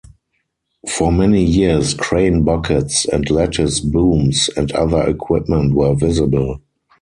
For many years crane buckets and lattice booms and other equipment were visible.